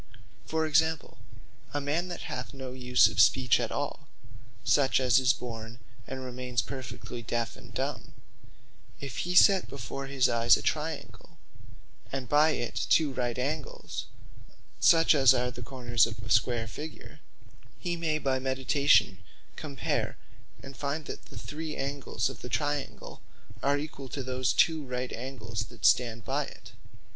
For example, a man that hath no use of Speech at all, (such, as is born and remains perfectly deafe and dumb,) if he set before his eyes a triangle, and by it two right angles, (such as are the corners of a square figure,) he may by meditation compare and find, that the three angles of that triangle, are equall to those two right angles that stand by it.